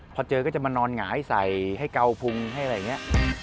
พอเจอก็จะมานอนหงายใส่ให้เกาพุงให้อะไรอย่างนี้